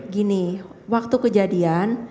gini waktu kejadian